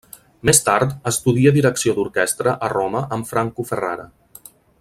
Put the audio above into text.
Més tard estudia direcció d'orquestra a Roma amb Franco Ferrara.